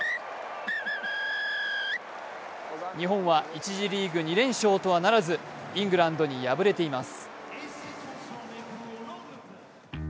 日本は１次リーグ２連勝とはならずイングランドに敗れています。